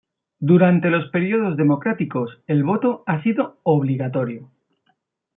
Durante los periodos democráticos, el voto ha sido obligatorio.